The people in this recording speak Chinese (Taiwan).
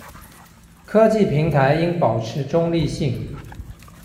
科技平台應保持中立性